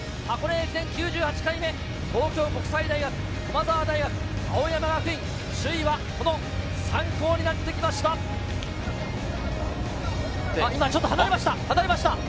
箱根駅伝９８回目、東京国際大学、駒澤大学、青山学院、首位はこの３校になってきました。